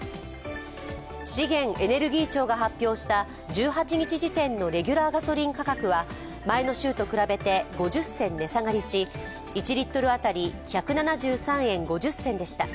資源エネルギー庁が発表した１８日時点のレギュラーガソリン価格は前の週と比べて５０銭値下がりし１リットル当たり１７３円５０銭でした。